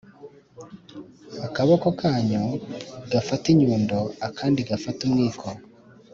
akaboko kanyu gafate inyundo, akandi gafate umwiko